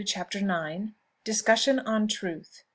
CHAPTER IX. DISCUSSION ON TRUTH.